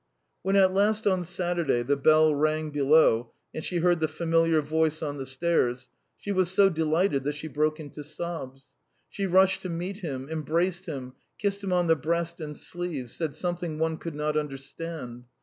When at last on Saturday the bell rang below and she heard the familiar voice on the stairs, she was so delighted that she broke into sobs. She rushed to meet him, embraced him, kissed him on the breast and sleeves, said something one could not understand.